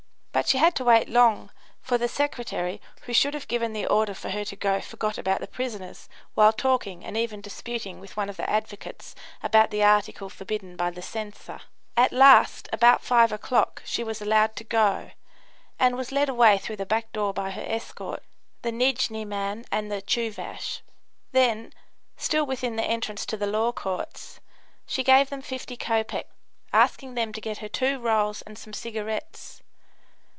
But she had to wait long, for the secretary, who should have given the order for her to go, forgot about the prisoners while talking and even disputing with one of the advocates about the article forbidden by the censor. At last, about five o'clock, she was allowed to go, and was led away through the back door by her escort, the Nijni man and the Tchoovash. Then, still within the entrance to the Law Courts, she gave them 50 copecks, asking them to get her two rolls and some cigarettes.